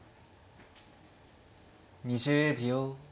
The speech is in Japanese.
２０秒。